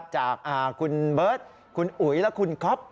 จากคุณเบิร์ตคุณอุ๋ยและคุณก๊อฟ